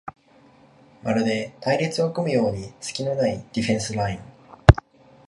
まるで隊列を組むようにすきのないディフェンスライン